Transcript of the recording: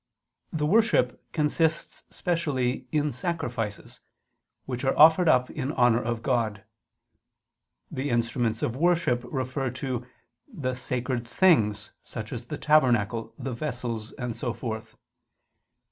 The worship consists specially in sacrifices, which are offered up in honor of God. The instruments of worship refer to the sacred things, such as the tabernacle, the vessels and so forth.